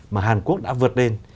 mà hàn quốc đã vượt lên